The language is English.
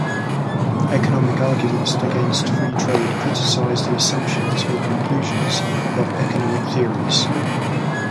Economic arguments against free trade criticize the assumptions or conclusions of economic theories.